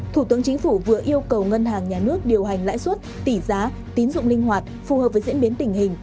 thủ tướng chính phủ vừa yêu cầu ngân hàng nhà nước điều hành lãi suất tỷ giá tín dụng linh hoạt phù hợp với diễn biến tình hình